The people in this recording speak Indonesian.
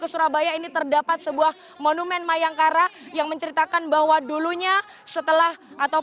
surabaya ini terdapat sebuah monumen mayangkara yang menceritakan bahwa dulunya setelah atau